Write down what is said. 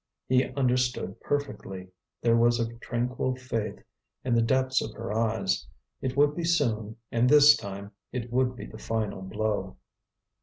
He understood perfectly. There was a tranquil faith in the depths of her eyes. It would be soon, and this time it would be the final blow.